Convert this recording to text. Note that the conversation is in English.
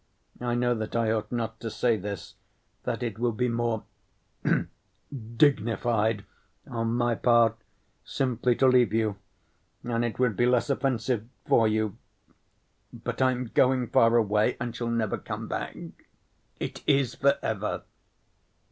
I know that I ought not to say this, that it would be more dignified on my part simply to leave you, and it would be less offensive for you. But I am going far away, and shall never come back.... It is for ever.